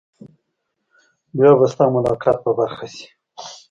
بیا به ستا ملاقات په برخه شي.